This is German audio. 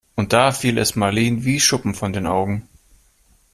Und da fiel es Marleen wie Schuppen von den Augen.